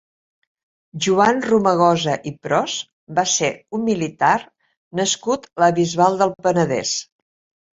Joan Romagosa i Pros va ser un militar nascut a la Bisbal del Penedès.